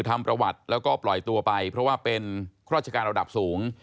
ทำประวัติแล้วก็ปล่อยตัวไปเพราะว่าเป็นราชการระดับสูง